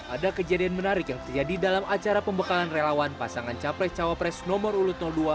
ada kejadian menarik yang terjadi dalam acara pembekalan relawan pasangan capres cawapres nomor urut dua